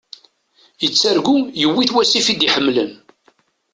Yettargu yuwi-t wasif i d-iḥemlen.